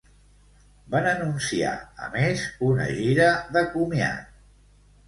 Van anunciar a més una gira de comiat.